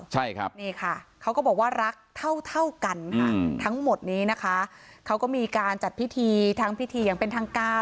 ใช่ครับนี่ค่ะเขาก็บอกว่ารักเท่าเท่ากันค่ะทั้งหมดนี้นะคะเขาก็มีการจัดพิธีทั้งพิธีอย่างเป็นทางการ